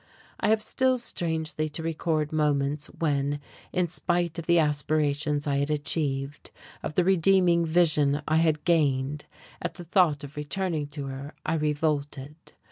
I have still strangely to record moments when, in spite of the aspirations I had achieved, of the redeeming vision I had gained, at the thought of returning to her I revolted.